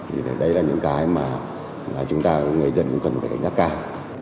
thì đấy là những cái mà chúng ta người dân cũng cần phải cảnh giác cao